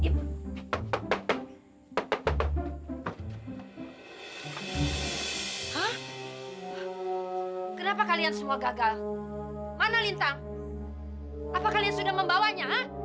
buat tayanga sabar dan kekebalan